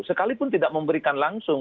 sekalipun tidak memberikan langsung